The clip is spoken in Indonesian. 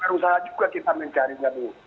berusaha juga kita mencarinya dulu